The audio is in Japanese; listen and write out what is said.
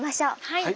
はい。